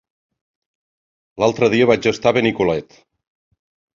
L'altre dia vaig estar a Benicolet.